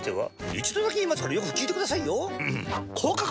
一度だけ言いますからよく聞いてくださいよ。